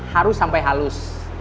harus sampai halus